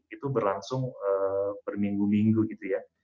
itu berlangsung berminggu minggu gitu ya